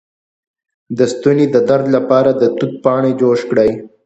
د ستوني د درد لپاره د توت پاڼې جوش کړئ